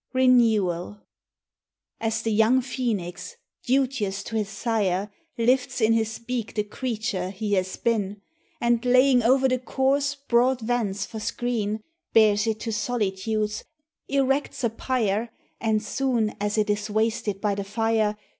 RENEWAL. As the young phoenix, duteous to his sire, Lifts in his beak the creature he has been, And, laying o*er the corse broad vans for screen, Bears it to solitudes, erects a pyre. And, soon as it is wasted by the fire.